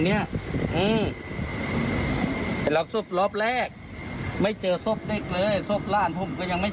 ไปรับศพรอบแรกยังไม่เจอศพนั่นเคยคือศพของทั้งคร้าน